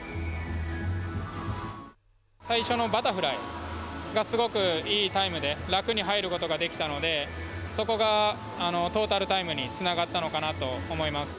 最初のバタフライがすごくいいタイムで楽に入ることができたのでそこがトータルタイムにつながったのかなと思います。